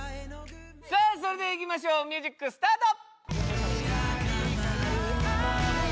さあそれではいきましょうミュージックスタート！